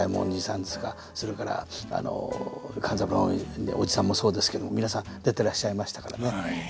それから勘三郎のおじさんもそうですけど皆さん出てらっしゃいましたからね。